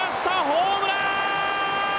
ホームラン！